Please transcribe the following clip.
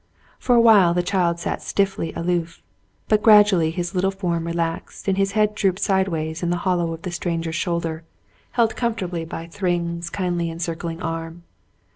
For a while the child sat stiffly aloof, but gradually his little form relaxed, and his head drooped sideways in the hollow of the stranger's shoulder, held comfortably by 8 The Mountain Girl Thryng's kindly encircling arm.